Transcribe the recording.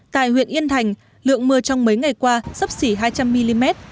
tại huyện yên thành lượng mưa trong mấy ngày qua sắp xỉ hai trăm linh mm